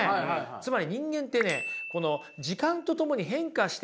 つまり人間ってね時間とともに変化していくものなんですよね。